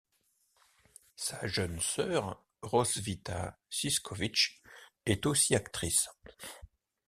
Sa jeune sœur Roswitha Szyszkowitz est aussi actrice.